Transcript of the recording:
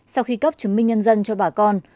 sau khi cấp chứng minh nhân dân cho bà con